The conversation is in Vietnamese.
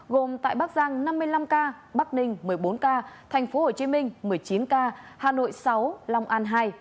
gồm tại bắc giang năm mươi năm ca bắc ninh một mươi bốn ca tp hcm một mươi chín ca hà nội sáu long an hai